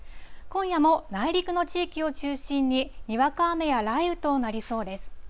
今夜も内陸の地域を中心に、にわか雨や雷雨となりそうです。